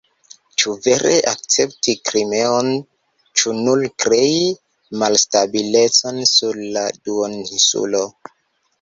Ĉu vere akcepti Krimeon, ĉu nur krei malstabilecon sur la duoninsulo.